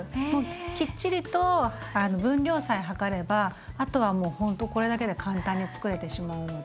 きっちりと分量さえ量ればあとはもうほんとこれだけで簡単につくれてしまうので。